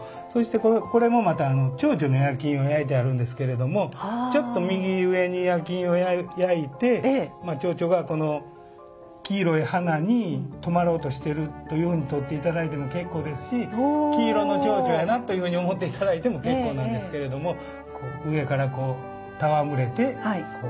そしてこれもまたチョウチョの焼き印を焼いてあるんですけれどもちょっと右上に焼き印を焼いてチョウチョがこの黄色い花に止まろうとしているというふうにとって頂いても結構ですし黄色のチョウチョやなというふうに思って頂いても結構なんですけれども上からこう戯れて。